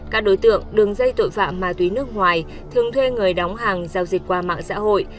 các đối tượng đường dây tội phạm ma túy nước ngoài thường thuê người đóng hàng giao dịch qua mạng xã hội